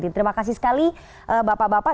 terima kasih sekali bapak bapak